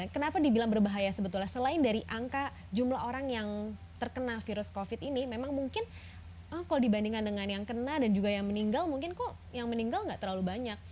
kenapa dibilang berbahaya sebetulnya selain dari angka jumlah orang yang terkena virus covid ini memang mungkin kalau dibandingkan dengan yang kena dan juga yang meninggal mungkin kok yang meninggal nggak terlalu banyak